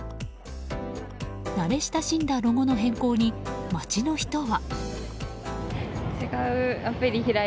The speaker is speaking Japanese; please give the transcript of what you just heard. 慣れ親しんだロゴの変更に街の人は。